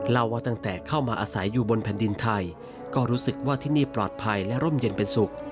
เล่าว่าตั้งแต่เข้ามาอาศัยอยู่บนแผ่นดินไทยก็รู้สึกว่าที่นี่ปลอดภัยและร่มเย็นเป็นสุข